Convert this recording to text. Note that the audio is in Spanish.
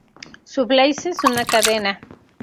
Su Blaze es una cadena.